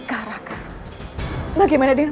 bisakah kita keberulangan